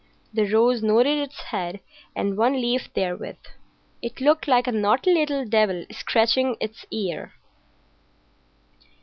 The rose nodded its head and one leaf therewith. It looked like a naughty little devil scratching its ear.